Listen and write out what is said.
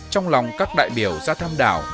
trong lòng các đại biểu ra thăm đảo